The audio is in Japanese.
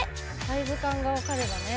サイズ感が分かればね。